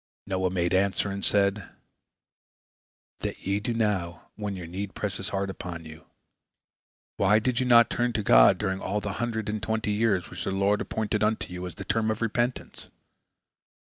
Noah made answer, and said: "That ye do now, when your need presses hard upon you. Why did you not turn to God during all the hundred and twenty years which the Lord appointed unto you as the term of repentance?